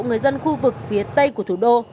người dân khu vực phía tây của thủ đô